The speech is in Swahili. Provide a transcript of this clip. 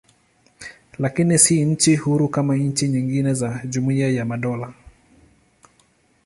Lakini si nchi huru kama nchi nyingine za Jumuiya ya Madola.